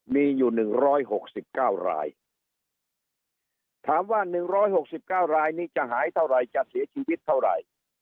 มีอยู่๑๖๙รายถามว่า๑๖๙รายนี้จะหายเท่าไหร่จะเสียชีวิตเท่าไหร่